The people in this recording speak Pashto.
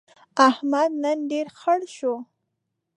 احمد نن ډېر خړ شو.